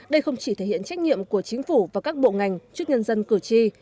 đây không chỉ thể hiện trách nhiệm của chính phủ và các bộ ngành trước nhân dân cử tri